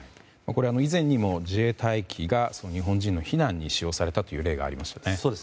以前にも自衛隊機が日本人の避難に使用されたという例がありましたよね。